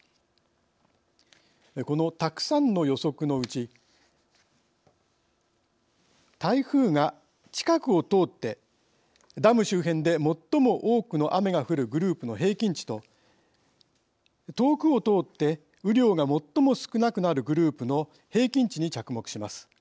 このたくさんの予測のうち台風が近くを通ってダム周辺で最も多くの雨が降るグループの平均値と遠くを通って雨量が最も少なくなるグループの平均値に着目します。